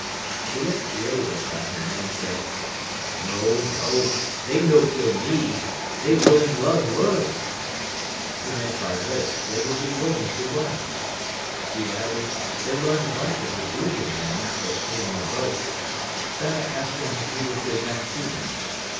He looked grave at that, and then said, "No, no, they no kill me, they willing love learn." He meant by this, they would be willing to learn. He added, they learned much of the bearded mans that came in the boat. Then I asked him if he would go back to them.